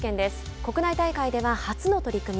国内大会では初の取り組み